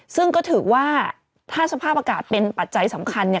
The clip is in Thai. ซึ่งก็ถือว่าถ้าสภาพอากาศเป็นปัจจัยสำคัญเนี่ย